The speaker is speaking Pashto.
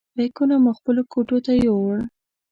بیکونه مو خپلو کوټو ته یوړل.